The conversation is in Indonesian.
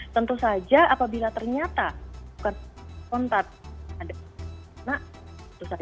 tentu saja apabila ternyata bukan spontan ada penyakit itu saja